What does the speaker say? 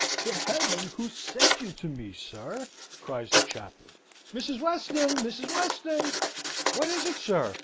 "To Heaven who sent you to me, sir!" cries the chaplain. Mrs. Weston! Mrs. Weston!" "What is it, sir?"